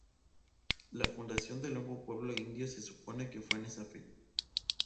La fundación del nuevo pueblo indio se supone que fue en esa fecha.